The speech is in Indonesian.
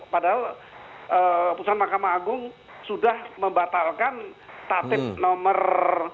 padahal putusan mahkamah agung sudah membatalkan tatib nomor